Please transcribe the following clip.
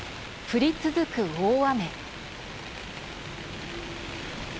降り続く大雨。